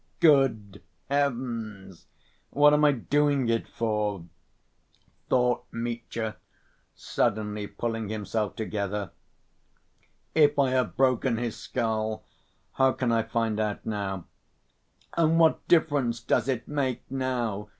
"Good heavens! what am I doing it for?" thought Mitya, suddenly pulling himself together. "If I have broken his skull, how can I find out now? And what difference does it make now?"